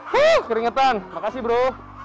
huh keringetan makasih bro